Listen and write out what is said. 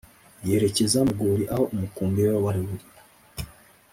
Yerekeza mu rwuri aho umukumbi we wari